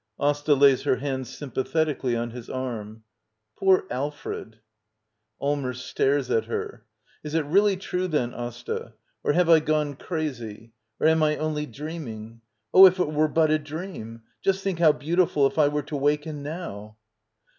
AsTA. [Lajrs her hand sympathetically on his arm.] Poor Alfred I Allmers. [Stares at her.] Is it really true then, Asta? Or have I gone crazy? Or am I only dreaming? Oh, if it were but a dream! Just think how beautiful if I were to waken now!